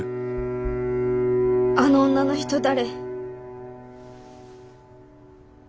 あの女の人誰？